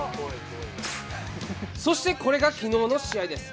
そして、これが昨日の試合です。